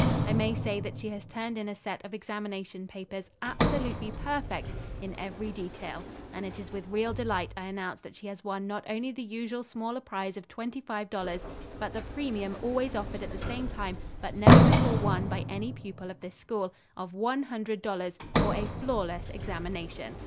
I may say that she has turned in a set of examination papers absolutely perfect in every detail, and it is with real delight I announce that she has won not only the usual smaller prize of twenty five dollars, but the premium always offered at the same time, but never before won by any pupil of this school, of one hundred dollars, for a flawless examination.